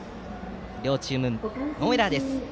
両チーム、ノーエラーです。